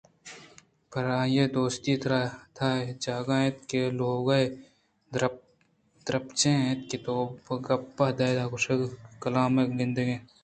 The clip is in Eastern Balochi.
پرآئی ءِ دوستی ءَ ترا اد ا جاگہ اِنت ءُلوگ ءِ درپچ اَنت توبہ گپ ادا اے کشّیتگ کہ کلام ءِ گندگ ءَ روئے